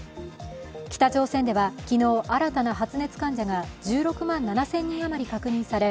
北朝鮮では昨日、新たな発熱患者が１６万７０００人あまり確認され